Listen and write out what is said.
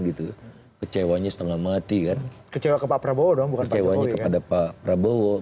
gitu kecewa nya setengah mati kan kecewa ke pak prabowo dong bukan kecewa ke pak prabowo